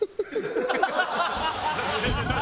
ハハハハ！